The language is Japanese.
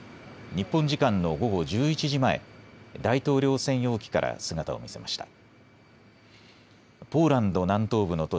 日本時間の午後１１時前大統領専用機から姿を見せました。